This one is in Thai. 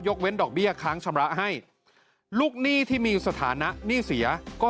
เว้นดอกเบี้ยค้างชำระให้ลูกหนี้ที่มีสถานะหนี้เสียก็